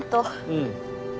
うん。